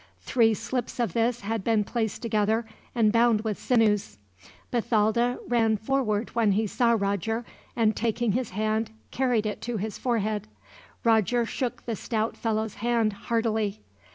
Three slips of this had been placed together and bound with sinews. Bathalda ran forward when he saw Roger, and taking his hand carried it to his forehead. Roger shook the stout fellow's hand, heartily.